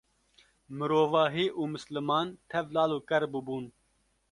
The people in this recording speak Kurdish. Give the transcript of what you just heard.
mirovahî û misliman tev lal û ker bibûn